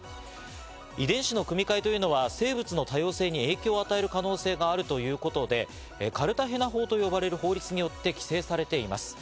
遺伝子の組み換えというのは生物の多様性に影響を与える可能性があるということで、カルタヘナ法と呼ばれる法律によって規制されています。